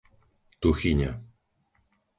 Tuchyňa